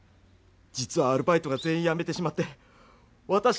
実はアルバイトが全員やめてしまってわたし